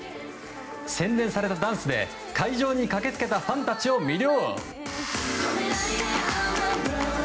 洗練されたダンスで会場に駆け付けたファンたちを魅了。